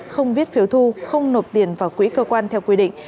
không viết phiếu thu không nộp tiền vào quỹ cơ quan theo quy định